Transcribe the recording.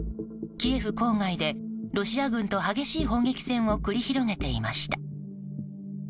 キエフ郊外でロシア軍と激しい砲撃戦を繰り広げていました。